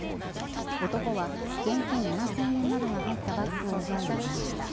男は現金７０００円などが入ったバッグを奪い逃げました。